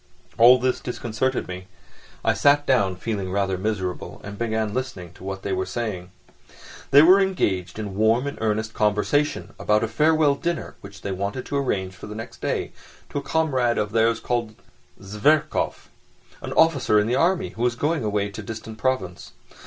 All this disconcerted me: I sat down, feeling rather miserable, and began listening to what they were saying. They were engaged in warm and earnest conversation about a farewell dinner which they wanted to arrange for the next day to a comrade of theirs called Zverkov, an officer in the army, who was going away to a distant province.